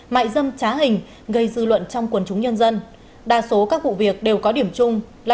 mại dâm trá hình gây dư luận trong quần chúng nhân dân đa số các vụ việc đều có điểm chung là